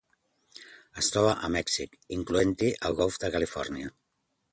Es troba a Mèxic, incloent-hi el Golf de Califòrnia.